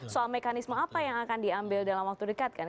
soal mekanisme apa yang akan diambil dalam waktu dekat kan